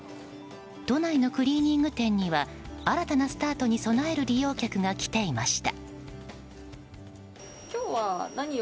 都内のクリーニング店には新たなスタートに備える利用客が来ていました。